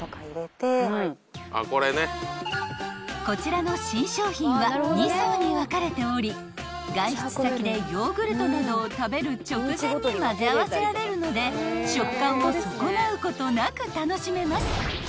［こちらの新商品は２層に分かれており外出先でヨーグルトなどを食べる直前に混ぜ合わせられるので食感を損なうことなく楽しめます］